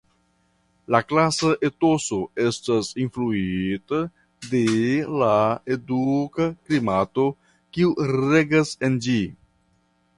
La klasa etoso estas influita de la eduka klimato kiu regas en ĝi.